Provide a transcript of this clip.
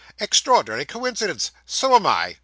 'Extraordinary coincidence. So am I.